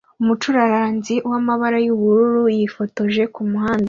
Umucuraranzi wamabara yubururu yifotoje kumuhanda